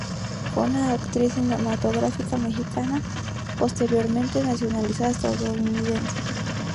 Fue una actriz cinematográfica mexicana, posteriormente nacionalizada estadounidense.